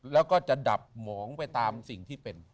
แล้วก็จะดับหมองไปตามสิ่งที่เป็น